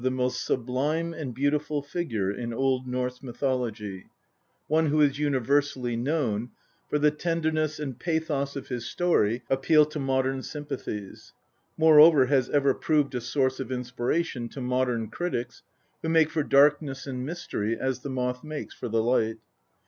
the most sublime and beautiful figure in Old Norse mythology, one who is universally known, for the tenderness and pathos of his story appeal to modern sympathies ; moreover, has ever proved a source of inspiration to modern critics, who make for darkness and mystery as the moth makes for the light.